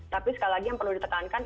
tapi sekali lagi yang perlu ditekankan